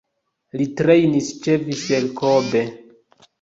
Li trejnis ĉe Vissel Kobe.